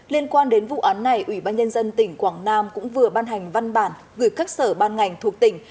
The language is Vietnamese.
liên quan đến vụ án này ủy ban nhân dân tỉnh quảng nam cũng vừa ban hành văn bản gửi các sở ban ngành thuộc tỉnh